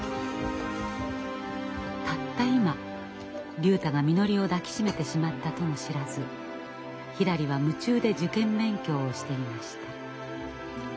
たった今竜太がみのりを抱きしめてしまったとも知らずひらりは夢中で受験勉強をしていました。